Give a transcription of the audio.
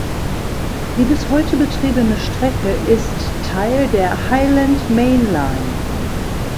Die bis heute betriebene Strecke ist Teil der Highland Main Line.